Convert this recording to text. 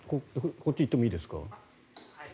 こっち行ってもいいですか。